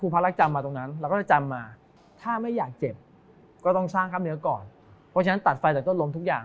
เพราะฉะนั้นตัดไฟจากต้นลมทุกอย่าง